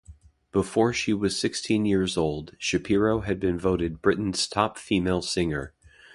Before she was sixteen years old, Shapiro had been voted Britain's "Top Female Singer".